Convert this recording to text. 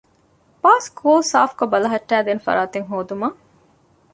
ބާސްކޫލް ސާފްކޮށް ބަލަހައްޓައިދޭނެ ފަރާތެއް ހޯދުމަށް